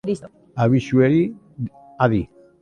Abisuei, adi.